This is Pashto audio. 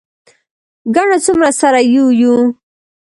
ګڼه څومره سره یو یو.